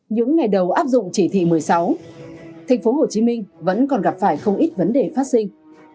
những ngày đầu áp dụng chỉ thị một mươi sáu thành phố hồ chí minh vẫn còn gặp phải không ít vấn đề phát sinh